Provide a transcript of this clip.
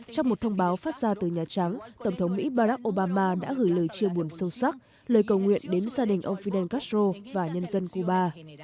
trong một thông báo phát ra từ nhà trắng tổng thống mỹ barack obama đã gửi lời chia buồn sâu sắc lời cầu nguyện đến gia đình ông fidel castro và nhân dân cuba